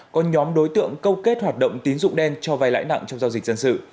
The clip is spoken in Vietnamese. có nhóm đối tượng câu kết hoạt động tín dụng đen cho vai lãi nặng trong giao dịch dân sự